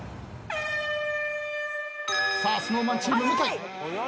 ＳｎｏｗＭａｎチーム向井。